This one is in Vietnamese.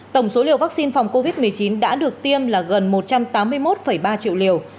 tổng số liều vaccine phòng covid một mươi chín đã được tiêm là gần một trăm tám mươi một ba triệu liều